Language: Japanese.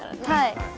はい。